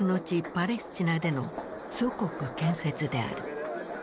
パレスチナでの祖国建設である。